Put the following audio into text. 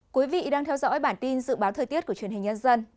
quý vị đang theo dõi bản tin dự báo thời tiết của truyền hình nhân dân